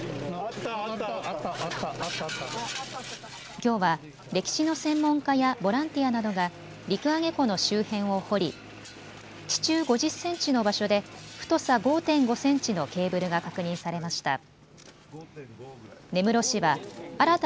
きょうは歴史の専門家やボランティアなどが陸揚庫の周辺を掘り地中５０センチの場所で太さ５．５センチのケーブルが確認されました。